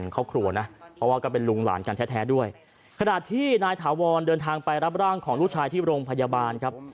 ขนาดที่นายถาวรเดินทางไปรับร่างของลูกชายที่โรงพยาบาลครับ